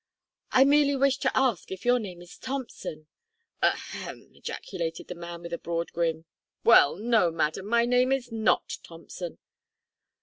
"I merely wished to ask if your name is Thompson." "Ah hem!" ejaculated the man with a broad grin, "well no, madam, my name is not Thompson."